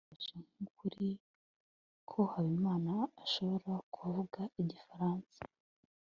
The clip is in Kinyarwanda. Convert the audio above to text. twese twabifashe nk'ukuri ko habimana ashobora kuvuga igifaransa